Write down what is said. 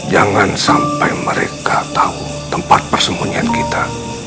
jangan sampai mereka tahu tempat persembunyian kita